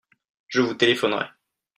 Je vous téléphonerai.